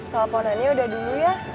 teleponannya udah dulu ya